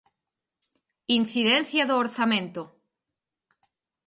Incidencia do orzamento.